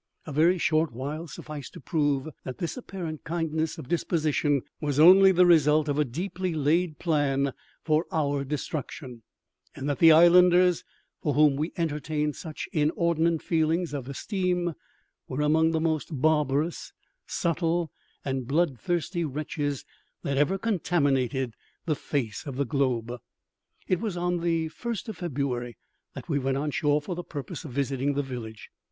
A very short while sufficed to prove that this apparent kindness of disposition was only the result of a deeply laid plan for our destruction, and that the islanders for whom we entertained such inordinate feelings of esteem, were among the most barbarous, subtle, and bloodthirsty wretches that ever contaminated the face of the globe. It was on the first of February that we went on shore for the purpose of visiting the village.